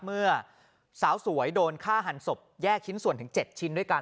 เมื่อสาวสวยโดนฆ่าหันศพแยกชิ้นส่วนถึง๗ชิ้นด้วยกัน